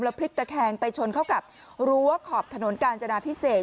พลิกตะแคงไปชนเข้ากับรั้วขอบถนนกาญจนาพิเศษ